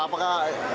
jadi apakah ibu ada